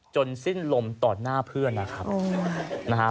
จนสิ้นลมต่อหน้าเพื่อนนะครับนะคะโอ้นะฮะ